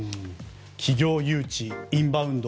企業誘致、インバウンド